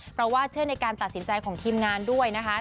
เพราะว่าเชื่อในการตัดสินใจของทีมงานด้วยนะคะ